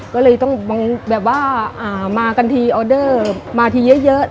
ก็เลยต้องบางแบบว่าอ่ามากันทีออเดอร์มาทีเยอะเยอะ